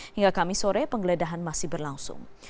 hingga kamis sore penggeledahan masih berlangsung